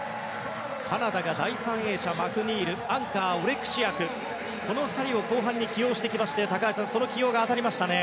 カナダが第３泳者マクニールアンカー、オレクシアクこの２人を後半に起用しまして高橋さんその起用が当たりましたね。